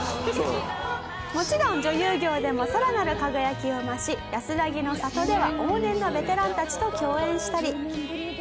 「もちろん女優業でもさらなる輝きを増し『やすらぎの郷』では往年のベテランたちと共演したり」